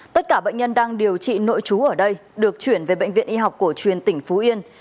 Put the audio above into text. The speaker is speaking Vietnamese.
tất cả bệnh nhân đang điều trị nội chú ở đây được chuyển về bệnh viện y học cổ truyền tỉnh phú yên